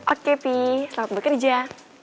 oke pi selamat bekerja